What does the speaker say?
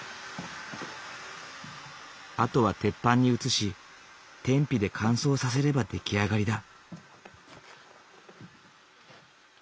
あとは鉄板に移し天日で乾燥させれば出来上がりだ。